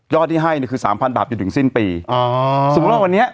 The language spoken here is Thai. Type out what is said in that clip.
ย่อที่ให้คือ๓พันบาทอยู่ถึงสิ้นปีสมมุติว่าวันนี้